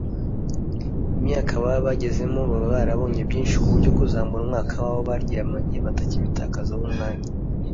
Imyaka baba bagezemo baba barabonye byinshi ku buryo kuzamura umubare w’abo baryamanye batabitakazaho umwanya